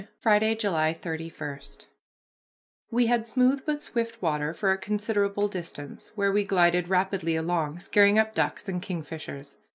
IX FRIDAY, JULY 31 We had smooth but swift water for a considerable distance, where we glided rapidly along, scaring up ducks and kingfishers.